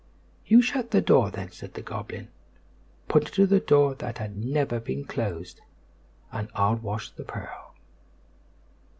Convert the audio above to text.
"You shut the door, then," said the goblin, pointing to the door that had never been closed, "and I'll wash the pearl."